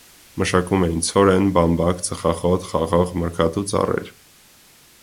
Մշակում էին ցորեն, բամբակ, ծխախոտ, խաղող, մրգատու ծառեր։